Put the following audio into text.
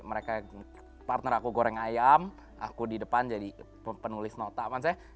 mereka partner aku goreng ayam aku di depan jadi penulis nota maksudnya